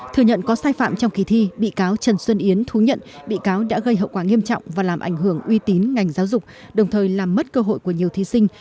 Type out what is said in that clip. thừa nhận có sai phạm trong kỳ thi bị cáo trần xuân yến thú nhận bị cáo đã gây hậu quả nghiêm trọng và làm ảnh hưởng uy tín ngành giáo dục đồng thời làm mất cơ hội của nhiều thí sinh